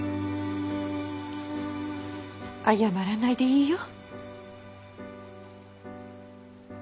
謝らないでいいよ。